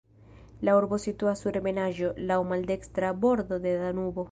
La urbo situas sur ebenaĵo, laŭ maldekstra bordo de Danubo.